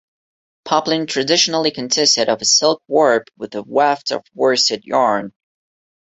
Poplin traditionally consisted of a silk warp with a weft of worsted yarn.